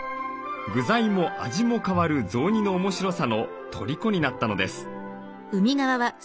具材も味も変わる雑煮の面白さのとりこになったのです。